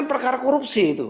perkara korupsi itu